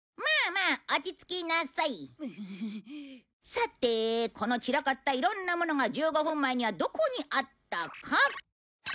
さてこの散らかったいろんなものが１５分前にはどこにあったか。